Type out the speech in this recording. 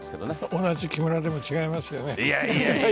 同じ木村でも違いますよね。